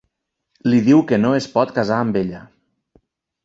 Li diu que no es pot casar amb ella.